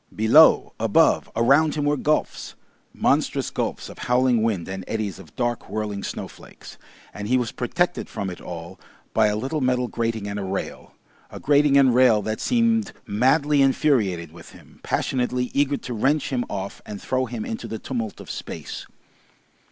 Below, above, around him were gulfs, monstrous gulfs of howling wind and eddies of dark, whirling snowflakes, and he was protected from it all by a little metal grating and a rail, a grating and rail that seemed madly infuriated with him, passionately eager to wrench him off and throw him into the tumult of space.